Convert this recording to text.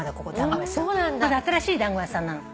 まだ新しい団子屋さんなの。